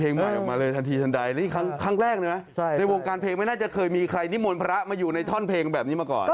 ในวงการเพลงไม่น่าจะเคยมีใครนิมนต์พระมาอยู่ในช่อนเพลงแบบนี้มาก่อน